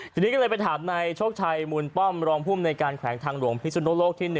ทีนี้ก็เลยไปถามนายโชคชัยมูลป้อมรองภูมิในการแขวงทางหลวงพิสุนโลกที่๑